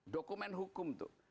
dokumen hukum itu